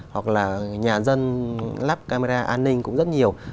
hoặc là nhà dân lắp camera an ninh cũng rất nhiều